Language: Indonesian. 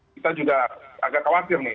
kita juga agak khawatir nih